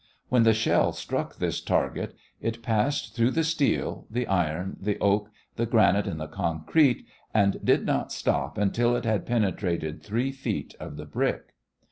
When the shell struck this target it passed through the steel, the iron, the oak, the granite, and the concrete, and did not stop until it had penetrated three feet of the brick.